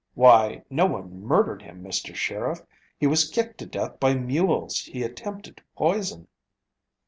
"Why no one murdered him, Mr. Sheriff. He was kicked to death by mules he attempted to poison."